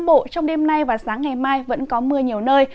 nam bộ trong đêm nay và sáng ngày mai vẫn có mưa nhiều nơi